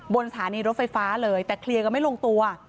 บนสถานีรถไฟฟ้าเลยแต่เคลียร์กันไม่ลงตัว